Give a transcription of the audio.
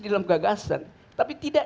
dalam gagasan tapi tidak